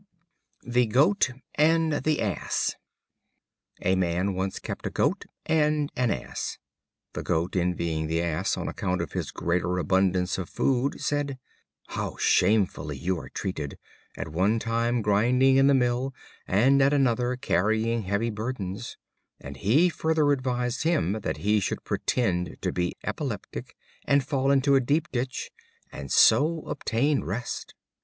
The Goat and the Ass. A Man once kept a Goat and an Ass. The Goat, envying the Ass on account of his greater abundance of food, said: "How shamefully you are treated; at one time grinding in the mill, and at another carrying heavy burdens;" and he further advised him that he should pretend to be epileptic, and fall into a deep ditch and so obtain rest.